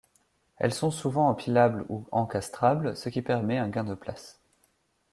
Elles sont souvent empilables ou encastrables, ce qui permet un gain de place.